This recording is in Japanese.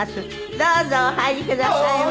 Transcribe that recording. どうぞお入りくださいませ。